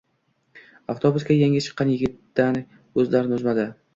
Avtobusga yangi chiqqan yigitdan ko’zlarini uzmadi.